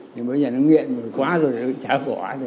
thì bây giờ nó nghiện quá rồi chả có gì